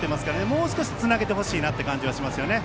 もう少しつなげてほしいなという感じがしますね。